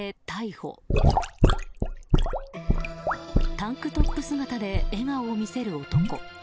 タンクトップ姿で笑顔を見せる男。